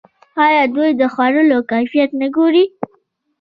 آیا دوی د خوړو کیفیت نه ګوري؟